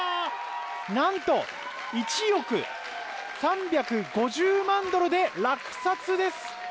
なんと１億３５０万ドルで落札です！